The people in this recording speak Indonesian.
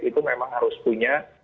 itu memang harus punya